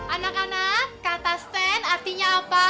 anak anak kata stand artinya apa